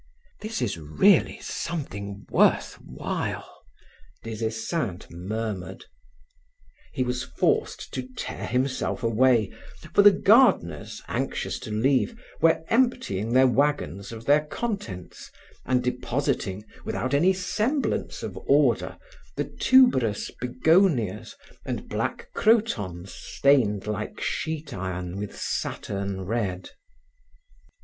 "This is really something worth while," Des Esseintes murmured. He was forced to tear himself away, for the gardeners, anxious to leave, were emptying the wagons of their contents and depositing, without any semblance of order, the tuberous Begonias and black Crotons stained like sheet iron with Saturn red.